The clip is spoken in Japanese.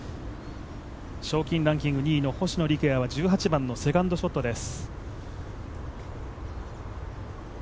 賞金ランキング２位の星野陸也は１８番のセカンドショットです。